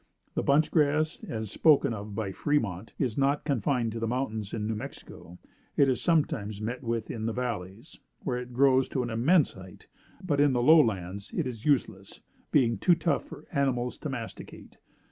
The bunch grass, as spoken of by Fremont, is not confined to the mountains in New Mexico; it is sometimes met with in the valleys, where it grows to an immense height; but, in the low lands, it is useless, being too tough for animals to masticate.